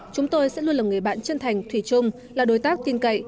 chúng tôi sẽ luôn là người bạn chân thành thủy chung là đối tác tin cậy